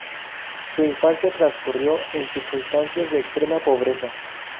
Su infancia transcurrió en circunstancias de extrema pobreza.